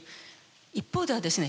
一方ではですね